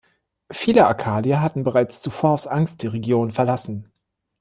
Viele Akadier hatten bereits zuvor aus Angst die Region verlassen.